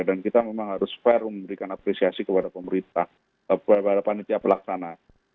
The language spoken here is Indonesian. dan kita memang harus fair memberikan apresiasi kepada pemerintah kepada para panitia pelaksanaan